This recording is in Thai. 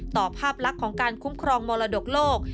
ภาพลักษณ์ของการคุ้มครองมรดกโลก